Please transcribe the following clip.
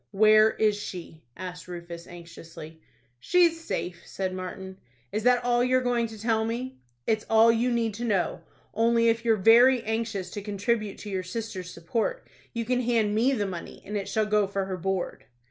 "Where is she?" asked Rufus, anxiously. "She's safe," said Martin. "Is that all you are going to tell me?" "It's all you need to know. Only, if you're very anxious to contribute to your sister's support, you can hand me the money, and it shall go for her board."